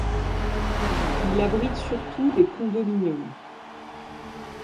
Il abrite surtout des condominiums.